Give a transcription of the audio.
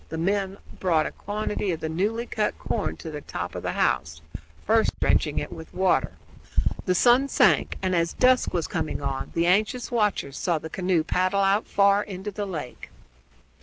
The men also brought a quantity of the newly cut corn to the top of the house, first drenching it with water. The sun sank, and as dusk was coming on the anxious watchers saw the canoe paddle out far into the lake.